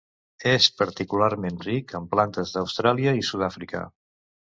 És particularment ric en plantes d'Austràlia i Sud-àfrica.